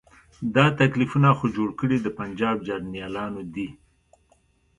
دا تکلیفونه خو جوړ کړي د پنجاب جرنیلانو دي.